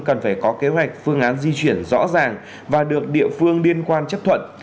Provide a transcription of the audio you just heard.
cần phải có kế hoạch phương án di chuyển rõ ràng và được địa phương liên quan chấp thuận